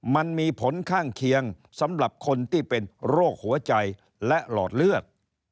มันมีผลข้างเคียงสำหรับคนที่เป็นโรคหัวใจและหลอดเลือด